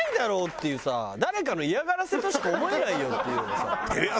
誰かの嫌がらせとしか思えないよっていうようなさ。